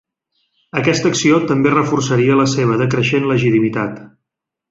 Aquesta acció també reforçaria la seva decreixent legitimitat.